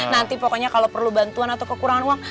nanti pokoknya kalau perlu bantuan atau kekurangan uang